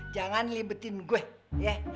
jangan libetin gue ya